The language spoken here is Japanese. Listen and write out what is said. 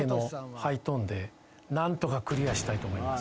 何とかクリアしたいと思います。